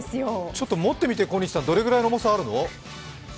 ちょっと持ってみて、小西さん、どのくらいの重さあるの？